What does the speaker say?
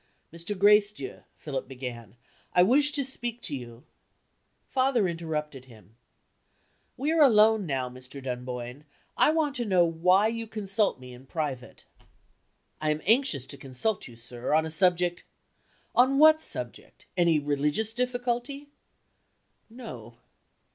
"Mr. Gracedieu," Philip began, "I wish to speak to you " Father interrupted him: "We are alone now, Mr. Dunboyne. I want to know why you consult me in private?" "I am anxious to consult you, sir, on a subject " "On what subject? Any religious difficulty?" "No."